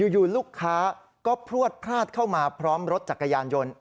ลูกค้าก็พลวดพลาดเข้ามาพร้อมรถจักรยานยนต์